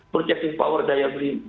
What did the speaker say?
purchasing power daya beli makin rendah